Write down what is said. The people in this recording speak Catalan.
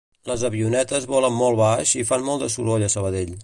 Les avionetes volen molt baix i fan molt de soroll a Sabadell